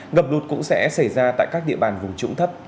ngập lụt cũng sẽ xảy ra tại các địa bàn vùng trũng thấp